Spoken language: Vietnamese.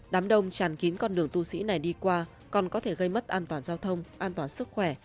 đám đông tràn kín con đường tu sĩ này đi qua còn có thể gây mất an toàn giao thông an toàn sức khỏe